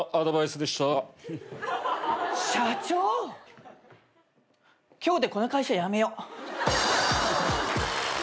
今日でこの会社辞めよう。